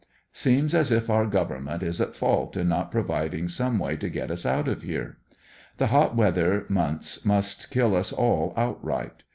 Seems as if our government is at fault in not providing some Way to get us out of here, The hot weather months must kill us all outright.